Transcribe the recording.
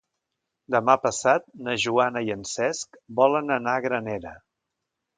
Demà passat na Joana i en Cesc volen anar a Granera.